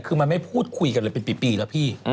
คือมันไม่พูดคุยกันเลยเป็นปีแล้วพี่